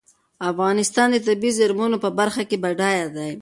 افغانستان د طبیعي زېرمونو په برخه کې بډای دی.